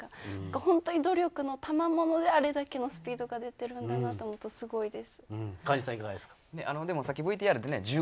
本当に努力のたまもので、あれだけのスピードが出てるのかなと思うと、すごいです。